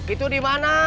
itu di mana